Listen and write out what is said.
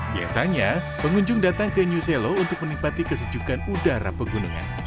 biasanya pengunjung datang ke new selo untuk menikmati kesejukan udara pegunungan